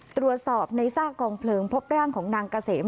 ตรวจสอบในซากกองเพลิงพบร่างของนางเกษม